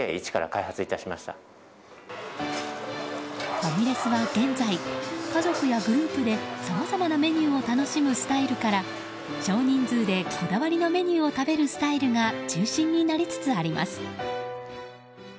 ファミレスは現在家族やグループでさまざまなメニューを楽しむスタイルから少人数でこだわりのメニューを食べるスタイルが中心になりつつあります。